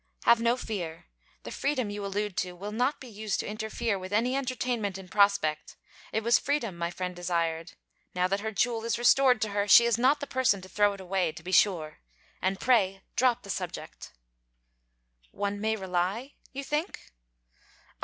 'Have no fear. The freedom you allude to will not be used to interfere with any entertainment in prospect. It was freedom my friend desired. Now that her jewel is restored to her, she is not the person to throw it away, be sure. And pray, drop the subject.' 'One may rely... you think?'